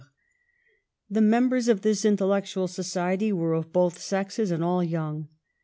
The members of this intellectual society were of both sexes and all young.